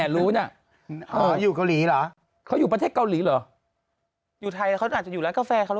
ใช่มาเป็นเพื่อนก็เหรอ